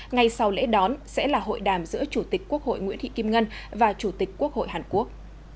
ngay sau lễ đón sẽ là hội đàm giữa chủ tịch quốc hội nguyễn thị kim ngân và chủ tịch quốc hội hàn quốc